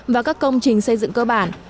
và các công trình xây dựng cơ bản